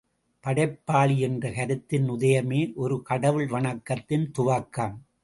படைப்பாளி என்ற கருத்தின் உதயமே, ஒரு கடவுள் வணக்கத்தின் துவக்கம்.